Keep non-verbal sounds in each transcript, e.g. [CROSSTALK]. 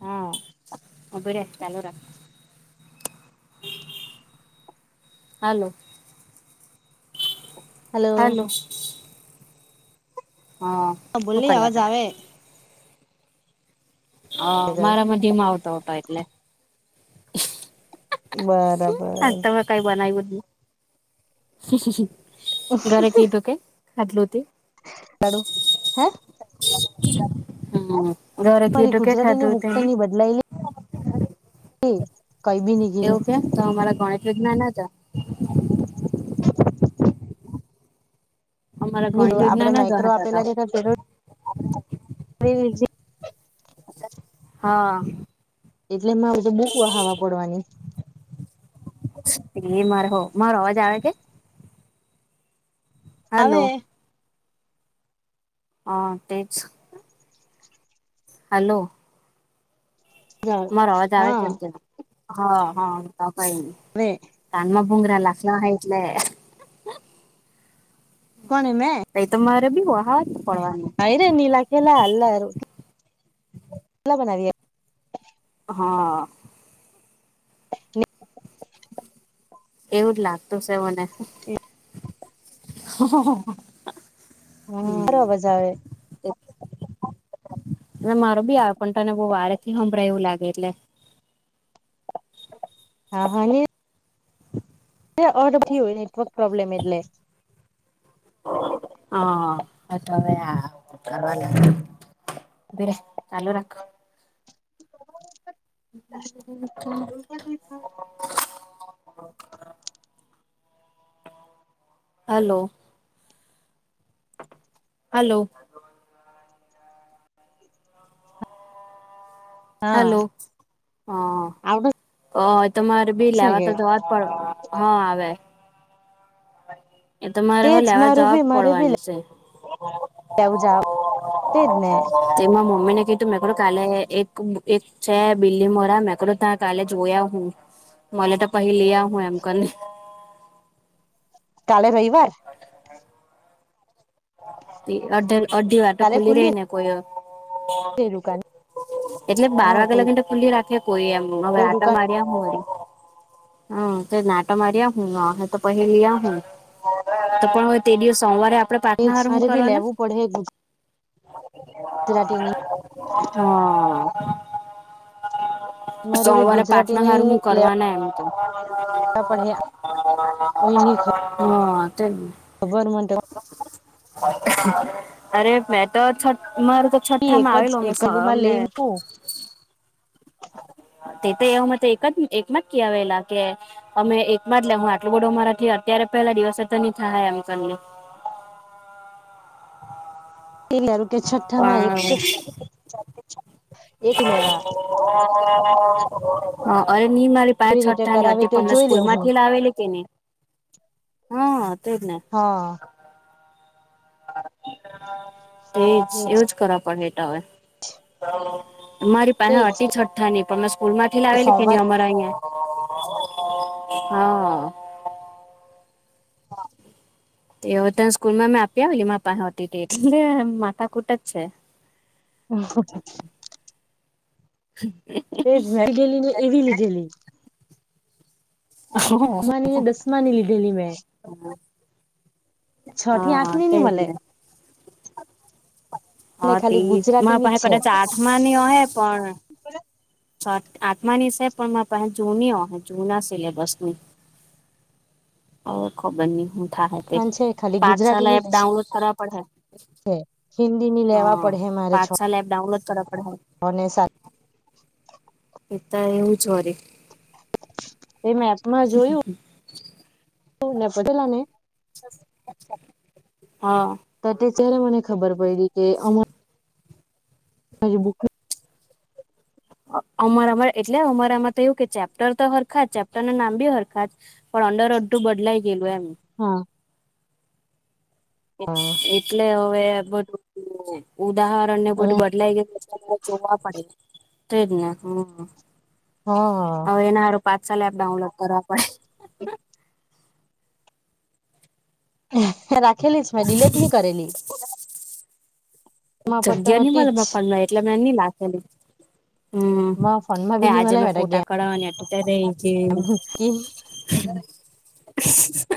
હા ઉભરે ચાલુ રાખ. હાલો. હાલો. હં. અ બોલી અવાજ આવે. અ મારા મ ધીમો આવતો હતો એટલે. બરબ. આતો મેં કઈ બનાયવુદ ની, ઘરે કીધુ કે? ખાધલો તે. પાળો હે. હા ગરે ઠીયે ટો કેટલા તૂટેની? લયલે. [UNINTELLIGIBLE] કઈ ભી ની. ગીરું એવું કેમ તો હમારા ગણિત વિજ્ઞાન હાચા. હમ. અમારા ગણિત નીડું આપળે વિજ્ઞાન આમાં જ એક્રો હતા હતા આપેલા દેખાચ. વિજ. [UNINTELLIGIBLE] હં. એટલે એમાં બુક વહાવા પડવાની. હે મારહો મારો અવાજ આવે છે? હલો આવે. અં તે છ. હાલો. મારો અવાજ હા આવેછન કેમ? હ હ તો કઈ ની. વે. [UNINTELLIGIBLE] કાન્મા ભૂંગરા લાખલા હ એટલે. કોણે મેં? તય તમારે બી વહાત. પડવાનું હાઈરે ની લાગેલા હલારુ. લા બનાવ્યા. હંઅ. હંમ. [UNINTELLIGIBLE] એવું જ લાગતું શે વને. સારો હમ્મ. અવાજ આવે વે મારો બી આયો પન તને બોવ વારેથી હંમભરાય એવું લાગે એટલે. હા હને અરથી હોય નેટવક ર્પ્રોબ્લેમ એટલે. હા અ હવેઆ જવાને ઉભીરે ચાલુ રાખ. [UNINTELLIGIBLE] હલો. હલો. હા હાલો હંઅ આવડે અ તમારે બી છે કે લેવાતા [UNINTELLIGIBLE] પણ હા આવે એ તમારે હ તેજ લેવા મારું જવાબ પડવાની છે. કેવું જાવ તેજ ને તેમાં મમ્મી ને કીધું તું મેકડો કાલે એક એક છે બીલી મોરા મેકડો ત્યાં કાલે જોયા હું મને તો પહી લે આવ હું એમ કરીને કાલે રવિવાર એ અધ અઢધી વાર તો કાલે ખુલી ખુલ્લી રહીને કોઈ છે દુકાન એટલે બાર હા વાગ્યા કોઈ લાગીને ખુલ્લી રાખે કોઈ એમ હવે કોઈ આટા દુકાન માર્યા [UNINTELLIGIBLE] હમ તે આટો મારીયા હું હ તો પહી લીઆઉ હું તો પણ તે દિવસ સોમવારે આપણે પ્રાથના હારુ મારે લેવું પડે ની [UNINTELLIGIBLE] હમ મારે બી સોમવારે પાટના હાર ગુજરાતીની હું લેવા કરવાના એમ તો પડે કોઈની હા તે ખબર માટે અરે મેં તો છ મારે તો છઠ્ઠા એક માં જ આવેલો અમે એકલુંમાં અમને લઈ એું તે તો એવું મ એક જ એકમાં ક ઇ આવેલા કે અમે એક બા જ લે હું આટલો બધું અમારાથી અત્યારે પેલા દિવસે તો નહી થાય એમ કરીને કે છઠ્ઠામાં હા એક [UNINTELLIGIBLE] એક લેવાય હ અરે નિ મારી પાંચ કેવી રીતે છઠ્ઠા ની કરાવે હતી તો પણ જોઈ સ્કૂલ લેવ હું માંથી લાવેલી કે નહી હા તોજને હા એજ એવુંજ કરવા પડ ટા હવે મારી પાસે તેજ હટી છઠ્ઠાની પણ મેં સ્કૂલ માંથી લાવેલી કે સોમવાર નહી અમારા અહિયાં હા હા એ ઓ તો સ્કૂલમાં મે આપ્યાલી માર પાહે હતી એટલે માતા કૂટ જ છે [UNINTELLIGIBLE] [UNINTELLIGIBLE] તે જ [UNINTELLIGIBLE] ને એવી લીધેલી મા દસમા ની લીધેલી મેં [UNINTELLIGIBLE] છ થીયાત હા નહી નની તેજ મલે ને ને હા તે ખાલી માં ગુજરાતીની પસે જ છે કદાચ આઠમાની હ પણ આત્માની છે પણ પાસે જૂની હો જૂના સિલેબસ ની. ઓ ખબર ન હ ઉઠા હ તે. છે ખાલી પાછ સાલા ગુજરાતીની જ એપ છે ડાઉનલોડ કરવા પડે. હિન્દીની હ, લેવા પાંચ સાલ એપ ડાઉનલોડ કરવા પડે. અને સા પિતા એવું જ હોરી. તે મેપમાં જોયું. નેપટેલાને. હા. જ્યારે મને ખબર પડીડી કે અ હ બુક અમારા એટલે અમારામાં તો એયું કે ચેપ્ટર તો હરખા જ ચેપ્ટર ના નામ બી હરખા જ. પણ અંડર અડધું બદલાઈ ગેલુ એમ. હા. એટલે હવે બધું ઉદાહરણ ને બધું બદલાઈ ગય જોવા પડે, ટ્રેનને હમ. હા. હવે એના હારું પાચ સાલ એપ ડાઉનલોડ કરવા પડે. મેં રાખેલીસ મેં ડીલેટ ની કરેલી. એમાં પર તો જગ્યા ની હતી મલે જ મારા ફોન માં એટલે મેં ની લાખેલી. હમ, માં ફોનમાં એ બી ની આજે મે મલે તા ગેમ ફોટા કઢવાની હતી એટ રેય ગય. [UNINTELLIGIBLE]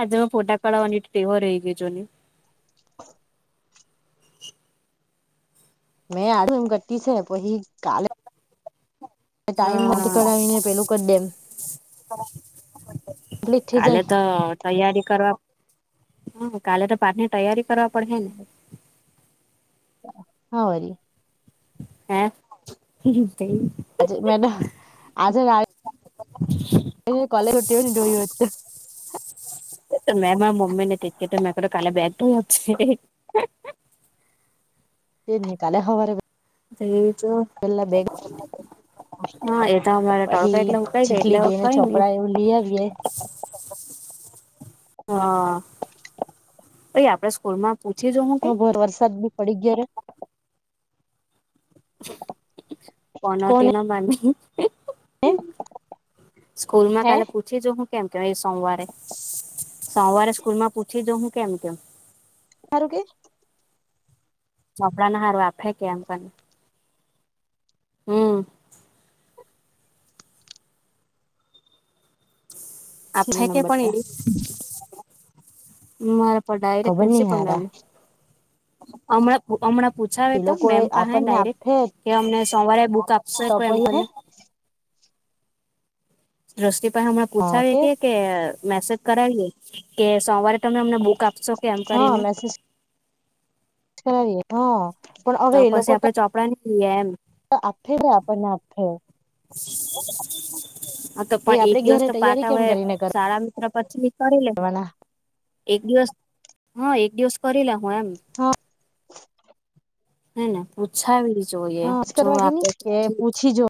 આજે હું ફોટા કળવાની ટેહોરઈ ગઈ જોની. [INAUDIBLE] મેં આડું એમ ઘટી છે પછી કાલ ટાઈમ નથી હા કરઢાવીને પેલું કરી દેમ. કમ્પ્લીટ થઈ કાલે જાય તો તૈયારી કરવા કાલે તો પાઠ ની તૈયારી કરવા પડેશે. હ વરી. હે આજે મેડ, આજે એ કોલે કુરતીઓ ની ધોઈ તું. મેં માર મમ્મી ને કે તો મેં કાલે બેગ ધોઈ આપ જે. તે ની કાલે હવારે તે એજ પેલા બેગ હા એ તો અમારે તડકો એટલે પછી હુકાઈ ગઈ એટલે ચીખલી ગઈને કઈ નઈ ચોપડા એવું લઈ આવીએે. હા, પ આપડે સ્કૂલમાં પૂછી જ હું હા ભોર વરસાદ બી પડી ગયા રે. પનોટી કોને ન માંરની. સ્કૂલ માં હે કાલે પૂછી જો હું કેમ કેવાય સોમવારે, સોમવારે સ્કૂલ માં પૂછી જોઉ હું કેમ કેમ? હારું કે? ચોપડા ના હારૂ આપે હે કે એમ પણ હમ, આ છેલ્લા ફેકે નંબર પણ પર એવી. [UNINTELLIGIBLE] પણ ડાયરેક ખબર નઈ પ્રિન્સપલ મેમ, હારા હમણા હમણાં પૂછાવે એ તો લોકો એ મેમ પાસે આપણને ડાયરેક્ટ આપે કે અમને સોમવારે બુક આપ તો [UNINTELLIGIBLE] એમ પહી હે કરીને. દ્રષ્ટિ પર હમણાં પૂછાવીએ કે કે મેસેજ કરાવીએ કે સોમવારે તમે અમને બુક આપશો કે એમ હા કરીને મેસેજ કરાવીએ હા, પણ તો હવે એ પછી લોકો આપડે ચોપડા ની લઈએ એમ, [INAUDIBLE] [INAUDIBLE] તો આપ હે રે [INAUDIBLE] આપણને આપહે. હા તો ભાઈ પણ એક આપડે દિવસ ઘેરે તો તૈયારી પાટા કેમ હોય કરીને સારા પછી કરી લેહું કરવાના એક દિવસ, હા એક દિવસ કરી લે હું એમ હા હેને પૂછાવી. જોઈએ હા જો કરવા વા કે આપે નહી તો કે ઠીક, પૂછી જો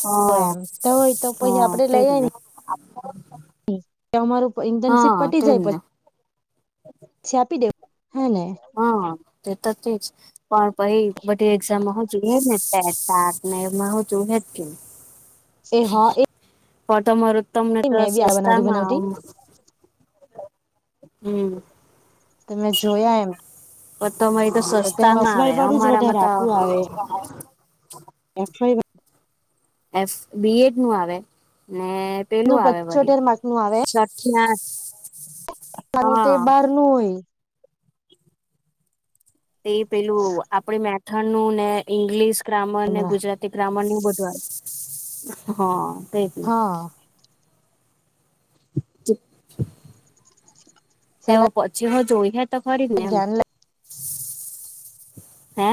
હા એમ તો હોય તો પછી હા તેજ ને, કે અમાર ઇન્ટર્નશીપ હા પટી તેજ જાય પછ ને છી આપી દેવ હે ને. હા, તે તો છે જ. પણ પહી બધી એક્ઝામ હોવો જોઈએ ને [UNINTELLIGIBLE] ના ને, એમાં [INAUDIBLE] [INAUDIBLE] હું હસતો હતો કે એ હા એ ફટમર. તમને તો મેં બી આ બનાવટી સસ્તામાં. બનાવટી હમ. તમે જોયા એમ પટોરી તો તેમાં સસ્તામાં આવે સિલાઈ વાળું જ અમારામાં વધારે તો. હા. એફય બ. એફબી. એડ. નું આવે ને, નું પેલું આવે વળી. પચોતેર માર્ક નું આવે હા. પોતાનું તે બહારનું હોય તે પેલું આપણે મેથડનું ને, ઈંગ્લિશ ગ્રામર ને હમણાં ગુજરાતી. ગ્રામરનું એ બધું આવે, હા. તેજ ને હા. તેવો સલાહ પછી હ જોઈ હા. તમારી મેમ [INAUDIBLE] ધ્યાન હે.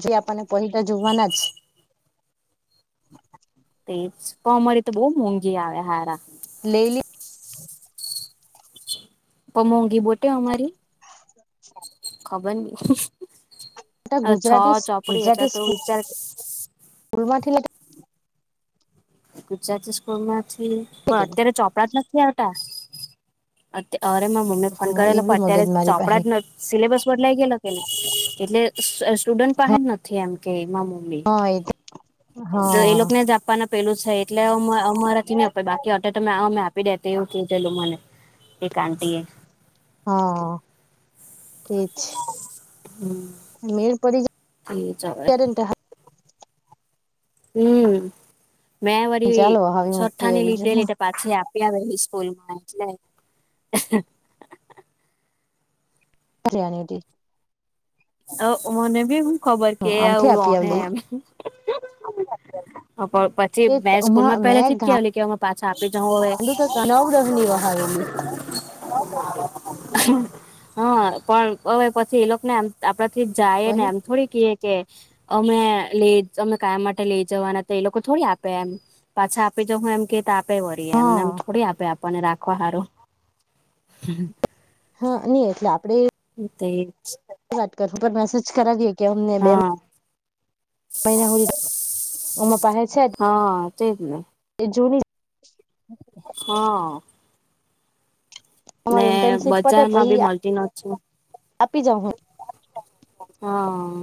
જે આપણે પહેલા [UNINTELLIGIBLE] જોવાના છે. તે જ, પણ અમારી તો બહુ મોંઘી આવે યાર. લેલી. તો મોંઘી બોટે અમારી. ખબર નહીં. લી હા છ ગુજરાતી ચોપડી એટલે તો વિચાર સ્કૂલમાંથી લીધું ગુજરાતી સ્કૂલમાંથી કે પણ અત્યારે ચોપડાં જ નથી આવતાં. અરે મારી મમ્મીએ ફોન હા કરેલો, એ પણ બી મગજ અત્યારે મારી પાસે ચોપડાં જ નથી. સિલેબસ બદલાઈ ગયેલો કે નહીં. એટલે સ સ્ટુડન્ટ પાહે જ નથી એમ કે [UNINTELLIGIBLE] ની. હા એ તો એ હા લોકને જ આપવાના પહેલું છે, એટલે અમા અમારાથી નહીં આપે [UNINTELLIGIBLE] કેટી તો આવ મે આપી દેતી એવું કીધેલું મન એક આંટીએ. હા છે જ હમ. [UNINTELLIGIBLE] મેળ પડી જાય તે જ હવે. ત્યારે ને ત્યારે હમ મેં વળી ચાલો હવે મૂકી છઠ્ઠાની આવી જો લીધેલી. પાછી આપયાવેલી સ્કૂલમાં એટલે [UNINTELLIGIBLE] મને બી હું ખબર હ કે આમથી આપી [INAUDIBLE] આવેલી એમ. હા પણ પછી મેં એ સ્કૂલમાં મેં પહેલેથી જ કહેલી કે [UNINTELLIGIBLE] પાછા આપી જાઉં હવે. ગાંડું તો નવ દહની વહાવેલી હા. પણ હવે પછી એ લોકને આમ આપણાથી જાય ને એમ થોડી કે. કે અમે લઈ અમે કયા માટે લઈ જવાના હતા? એ લોકો થોડી આપે એમ. પાછા આપી જાહું એમ કે તો આપે વળી, એમને હા એમ થોડી આપે આપણેને રાખવા સારું. હમ. હા, ની એટલે આપણે તે જ વાત કરું. ઉપર મેસેજ કરાવીએ કે અમને બેમ હા બે મહિના થઈ રહ્યા છે, એમાં પાસે છે હા તેજ ને એ જૂની હા. હ ને ઇન્ટર્નશીપ પતે બજારમાં પછી બી મળતી નથી આપી જાઉં હું હા,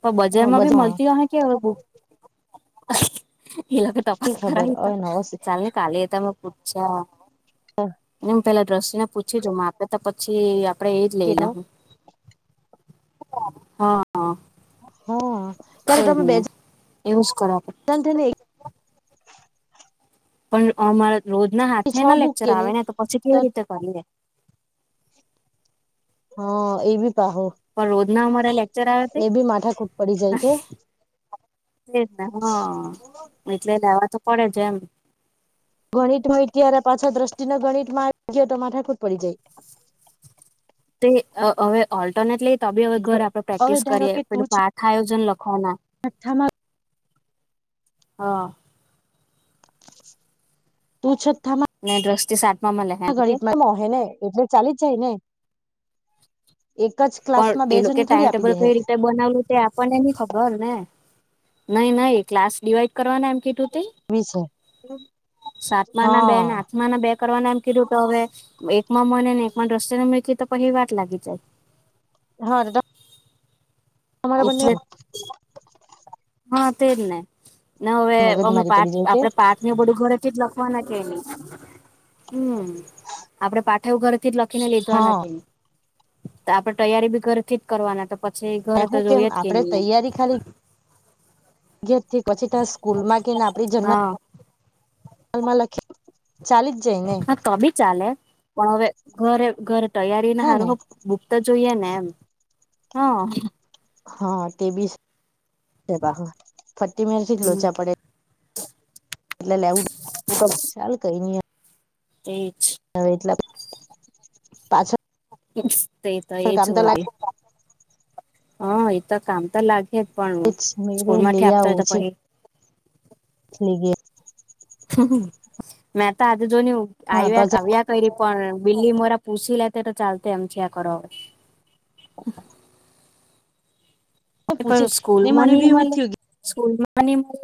તો હું બજારમાં બી બધા મળતી હોય, કેવું? હા એ લોકોને તપાસ શી ખબર કરું તો હવે નવો ચાલે ને કાલે તમે મંગાવી દેજો. અચ્છા, હું પહેલાં દ્રશિને પૂછી જોઉં, એમાં આપે તો પછી પ્રેજ લઈ લ કેનો હું. હા હ કાર્યારે એજ તમે ને બેજ એવું જ કરવા પડે [UNINTELLIGIBLE] પણ અમારા તો રોજ ના એકથી હાથે છ ના બુક લેકચર આવે કેની ને, તો પછી કેવી રીતે કરીએે? હ એવી પાહો. પણ રોજના અમારા લેક્ચર આવે તે. એ બી માથાકૂટ પડી જાય કે એજ ને હા. એટલે લેવા તો પડે છે એમ. ગણિત ય ત્યારે પાછા દ્રષ્ટિને ગણિત માં આવી ગયો તો માઠાકુટ પડી જાય. તે હવે ઓલ્ટરનેટલી. તો બી હવે ઘર આપડે હવે પ્રેક્ટિસ ધારો કરીએ કે તું પેલું પાઠ આયોજન લખવાના. છઠ્ઠામાં હા. તું છતામાં ને દસ થી સાત ગણિત માં એમ હ ને એટલે ચાલી જ જાય ને. એક જ ક્લાસમાં બે જણને થોડી આપી દે હે. બનાવ્યું તે આપણને બી ખબર ને નઈ નહી ક્લાસ ડિવાઈડ કરવાના એમ કેટું તઈ એવી છે. સાતમા ના બેન હા. આ મના બે કરવા એમ કીધું તો હવે એકમાં મને ને એકમાં દ્રશ્ય મૂકી તો પછી વાટ લાગી જાય. હા, [UNINTELLIGIBLE] તમારા બંને એટલે હા તેજ ને, ને હવે મગજ અમે મારી પાચ પડી જાય કે આપડે પાચ મે બડું ઘરેથી જ લખવાના કે નહી, હમ, આપડે પાઠવું ઘરે થી લખીને લીધવાના, હા આપડે તૈયારી બી ઘરથી જ કરવાના પછી મે ઘરે તો હું કેમ જોઈ જ કે આપડે નહી. થી પછી ત્યાં સ્કૂલમાં કે ને આપણી જન્મ હા હાલમાં લખી ચાલીસ હા ત બી ચાલે, પણ હવે ઘરે ઘરે તૈયારીને હે ને સારું બુકતા જોઈએ ને એમ, હ. હા તે બી, ફ્ટ મિનિટથી હમ લોચા પડે. એટલે લેવડ ચાલ કઈ નઈ. તે જ. હવે એટલા પાછળ તો એજ કામ હો, લાગે હ એ તો કામ તો લાગે. પણ હ જ મેં સ્કૂલ કીધું માંથી આપતો હોય તો પછ ગ [UNINTELLIGIBLE] મે તો આજે જોોની હા આ્યા્યા કરી પણ બીલી મોરા પૂસી લેતે તો ચાલતે એમ છે આ કરે. તો એ પૂછી સ્કૂલ ને મને મણી બી એવું મળલ. જ થયું સ્કૂલ મણીમા.